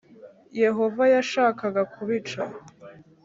Yehova yashakaga kubica